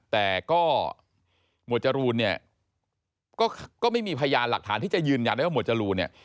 แต่ก็หมวดจรูนเนี่ยก็ไม่มีพยานหลักฐานที่จะยืนยันได้ว่าหวดจรูนเนี่ย